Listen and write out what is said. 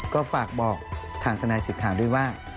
ก็ฝากบอกทางทนายสิทธาด้วยว่า